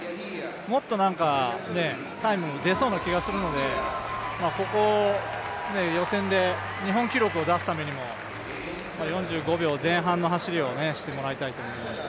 もっとタイムが出そうな気がするのでここ予選で日本記録を出すためにも４５秒前半の走りをしてもらいたいと思います。